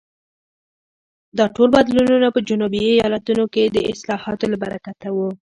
دا ټول بدلونونه په جنوبي ایالتونو کې د اصلاحاتو له برکته وو.